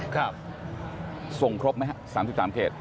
ครับทรงครบไหม๓๓เขต